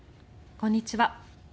こんにちは。